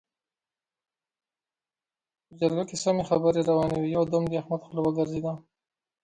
په جرګه کې سمې خبرې روانې وې؛ يو دم د احمد خوله وګرځېده.